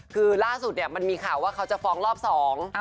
คือล่าสุดเนี่ยมันมีข่าวว่าเขาจะฟ้องรอบสอง